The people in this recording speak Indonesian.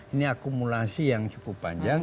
ini akumulasi yang cukup panjang